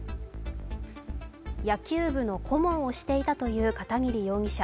野球部の顧問をしていたという片桐容疑者。